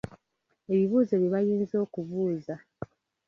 Ebibuuzo bye bayinza okubuuza.